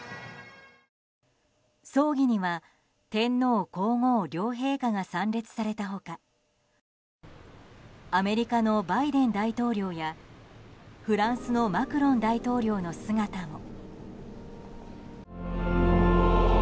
葬儀には天皇・皇后両陛下が参列された他アメリカのバイデン大統領やフランスのマクロン大統領の姿も。